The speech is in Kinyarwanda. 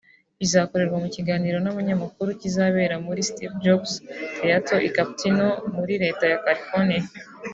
Bizakorerwa mu kiganiro n’abanyamakuru kizabera muri Steve Jobs Theater i Cupertino muri Leta ya California